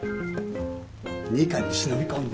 二課に忍び込んで。